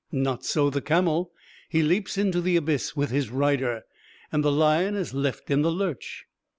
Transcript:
Not so the camel. He leaps into the abyss with his rider and the lion is left in the lurch.